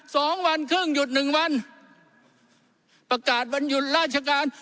สองวันครึ่งหยุดหนึ่งวันประกาศวันหยุดราชการ